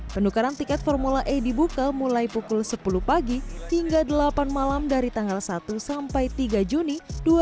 penukaran tiket formula e dibuka mulai pukul sepuluh pagi hingga delapan malam dari tanggal satu sampai tiga juni dua ribu dua puluh